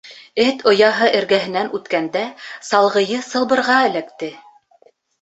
Эт ояһы эргәһенән үткәндә салғыйы сылбырға эләкте.